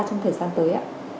trong thời gian tới